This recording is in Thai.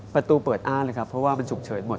ประตูเปิดอ้านเลยครับเพราะว่ามันฉุกเฉินหมด